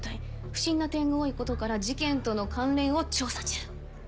不審な点が多いことから事件との関連を調査中。